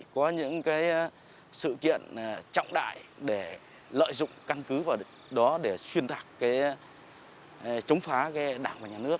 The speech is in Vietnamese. có những sự kiện trọng đại để lợi dụng căn cứ vào đó để xuyên tạc cái chống phá đảng và nhà nước